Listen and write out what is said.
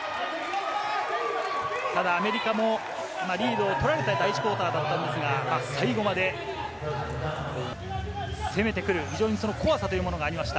ただアメリカもリードを取られた第１クオーターだったんですが、最後まで攻めてくる怖さがありました。